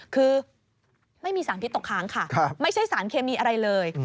คือไม่มีสารพิษตกค้างค่ะไม่ใช่สารเคมีอะไรเลย